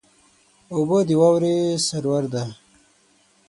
اوبه د واورې سرور دي.